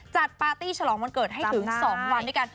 ปาร์ตี้ฉลองวันเกิดให้ถึง๒วันด้วยกัน